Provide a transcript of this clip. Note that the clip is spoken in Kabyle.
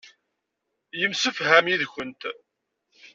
Yemsefham yid-kent.